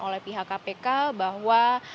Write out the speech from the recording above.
oleh pihak kpk bahwa